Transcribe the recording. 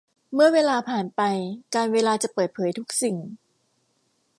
เมื่อเวลาผ่านไปกาลเวลาจะเปิดเผยทุกสิ่ง